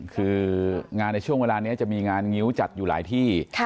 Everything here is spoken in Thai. คืองานในช่วงเวลานี้จะมีงานงิ้วจัดอยู่หลายที่